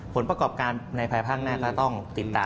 ผลประกอบการในภายภาคหน้าก็ต้องติดตาม